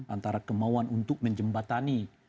antara kemauan untuk menjembatani